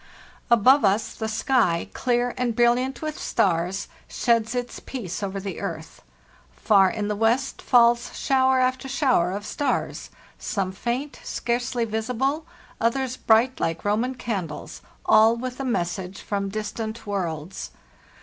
Above us the sky, clear and brilliant with stars, sheds its peace over the earth; far in the west falls shower after shower of stars, some faint, scarcely visible, others bright lke Roman candles, all with a message from distant worlds.